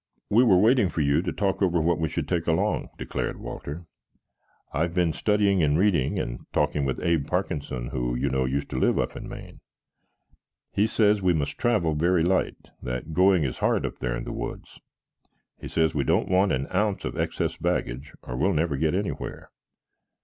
"We were waiting for you to talk over what we should take along," declared Walter. "I have been studying and reading and talking with Abe Parkinson, who, you know, used to live up in Maine. He says we must travel very light; that going is hard up there in the woods. He says we don't want an ounce of excess baggage, or we'll never get anywhere.